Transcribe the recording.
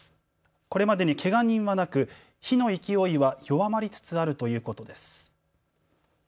これまでにけが人はなく火の勢いは弱まりつつあるということです。